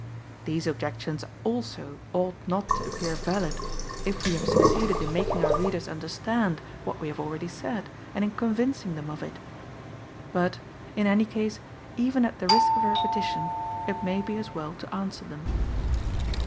These objections also ought not to appear valid if we have succeeded in making our readers understand what we have already said, and in convincing them of it. But in any case, even at the risk of repetition, it may be as well to answer them.